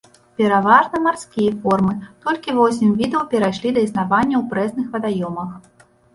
Пераважна марскія формы, толькі восем відаў перайшлі да існавання ў прэсных вадаёмах.